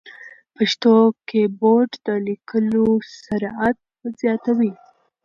پښتو کیبورډ د لیکلو سرعت زیاتوي.